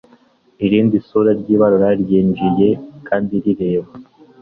Irindi sura ryirabura ryinjiye kandi rireba